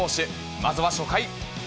まずは初回。